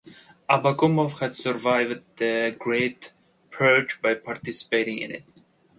Abakumov had survived the Great Purge by participating in it.